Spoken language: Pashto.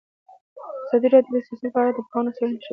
ازادي راډیو د سیاست په اړه د پوهانو څېړنې تشریح کړې.